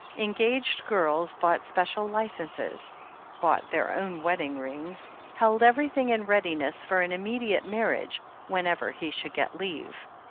Engaged girls bought special licences, bought their own wedding rings, held everything in readiness for an immediate marriage "whenever he should get leave."